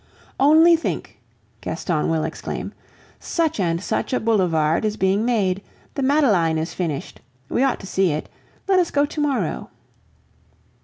"Only think," Gaston will exclaim, "such and such a boulevard is being made, the Madeleine is finished. We ought to see it. Let us go to morrow."